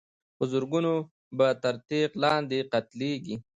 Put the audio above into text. په زرګونو به تر تېغ لاندي قتلیږي